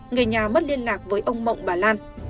người nhà mất liên lạc với ông mộng bà lan